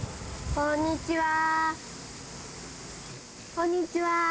こんにちは。